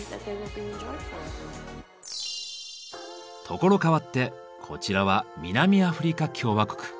所変わってこちらは南アフリカ共和国。